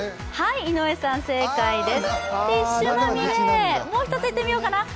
井上さん、正解です。